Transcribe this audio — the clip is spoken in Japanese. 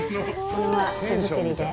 これも手作りで。